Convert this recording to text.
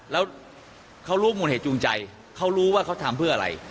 แล้วเขารู้มูลเหตุจูงใจเขารู้ว่าเขาทำเพื่ออะไร